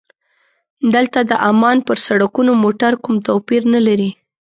دلته د عمان پر سړکونو موټر کوم توپیر نه لري.